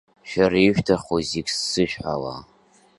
Шәара ишәҭаху зегь сзышәҳәала…